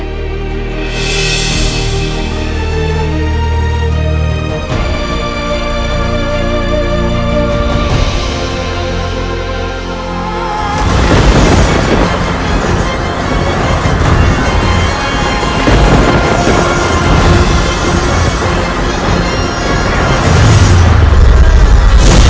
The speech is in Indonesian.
tak ada masalah